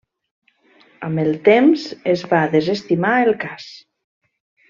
Amb el temps, es va desestimar el cas.